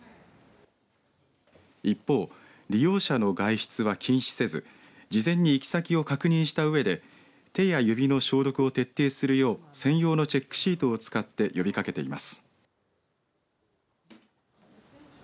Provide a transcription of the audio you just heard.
一方、利用者の外出は禁止せず事前に行き先を確認したうえで手や指の消毒を徹底するよう専用のチェックシートを使って呼びかけています。